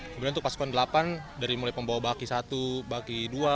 kemudian untuk pasukan delapan dari mulai pembawa baki satu baki dua